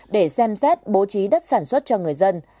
để xem xét bố trí đất sản xuất cho người dân